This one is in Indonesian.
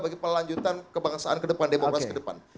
bagi pelanjutan kebangsaan ke depan demokrasi ke depan